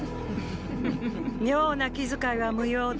妙な気遣いは無用だ。